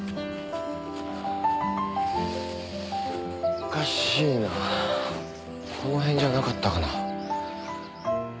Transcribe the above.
おかしいなこの辺じゃなかったかな？